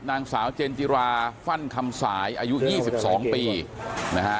นางสาวเจนจิราฟั่นคำสายอายุ๒๒ปีนะฮะ